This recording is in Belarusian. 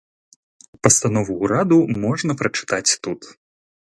Пастанову ўраду можна прачытаць тут.